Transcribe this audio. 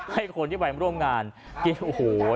ให้คนที่ไปร่วมงานกินโอ้โห